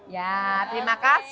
ya terima kasih